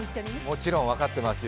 もちろん分かってますよ。